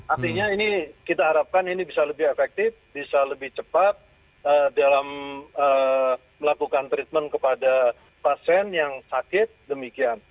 artinya ini kita harapkan ini bisa lebih efektif bisa lebih cepat dalam melakukan treatment kepada pasien yang sakit demikian